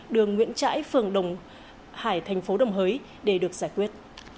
đường nguyễn trãi phường đồng hải thành phố đồng hới để được giải quyết